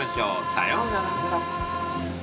さようなら。